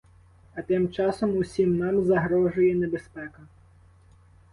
А тим часом усім нам загрожує небезпека.